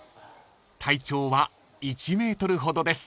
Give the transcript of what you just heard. ［体長は１ｍほどです］